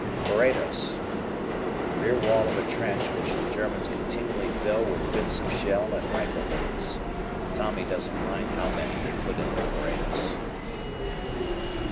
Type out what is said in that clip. Parados. The rear wall of a trench which the Germans continually fill with bits of shell and rifle bullets. Tommy doesn't mind how many they put in the parados.